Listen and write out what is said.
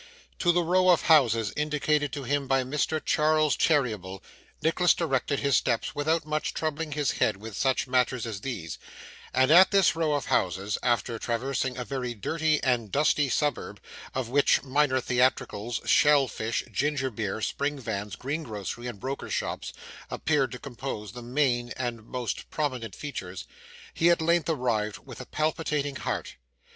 To the row of houses indicated to him by Mr. Charles Cheeryble, Nicholas directed his steps, without much troubling his head with such matters as these; and at this row of houses after traversing a very dirty and dusty suburb, of which minor theatricals, shell fish, ginger beer, spring vans, greengrocery, and brokers' shops, appeared to compose the main and most prominent features he at length arrived with a palpitating heart.